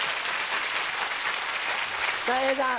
たい平さん。